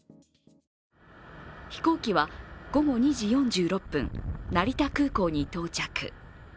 飛行機は午後２時４６分、成田空港に到着。